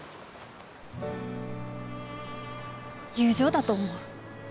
友情だと思う。